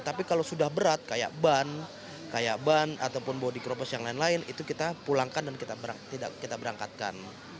tapi kalau sudah berat kayak ban kayak ban ataupun bodi keropos yang lain lain itu kita pulangkan dan kita berangkatkan